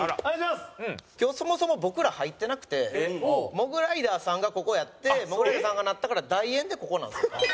今日そもそも僕ら入ってなくてモグライダーさんがここやってモグライダーさんがなったから代演でここなんですよ。